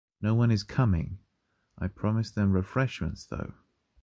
No one is coming! I promised them refreshments, though.